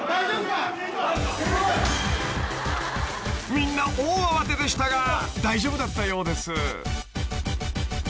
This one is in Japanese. ［みんな大慌てでしたが大丈夫だったようです］